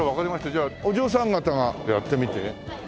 じゃあお嬢さん方がやってみて。